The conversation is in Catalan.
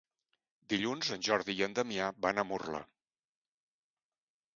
Dilluns en Jordi i en Damià van a Murla.